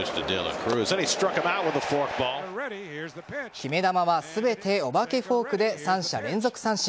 決め球は全てお化けフォークで３者連続三振。